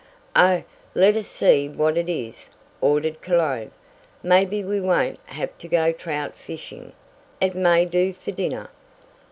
"Oh, let us see what it is!" ordered Cologne. "Maybe we won't have to go trout fishing, it may do for dinner."